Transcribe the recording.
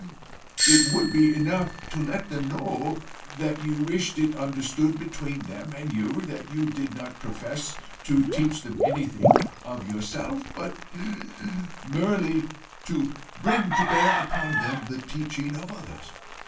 "It would be enough to let them know that you wished it understood between them and you, that you did not profess to teach them anything of yourself, but merely to bring to bear upon them the teaching of others.